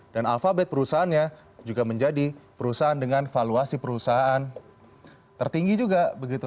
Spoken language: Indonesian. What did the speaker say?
dan alphabet perusahaannya juga menjadi perusahaan dengan valuasi perusahaan tertinggi juga begitu